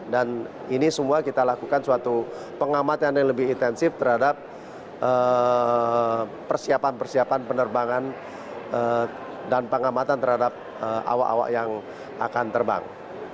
dan ini semua kita lakukan suatu pengamatan yang lebih intensif terhadap persiapan persiapan penerbangan dan pengamatan terhadap awak awak yang akan terbang